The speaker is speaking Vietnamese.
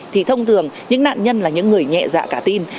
thì thông thường những nạn nhân là những người nhẹ dạ cả tin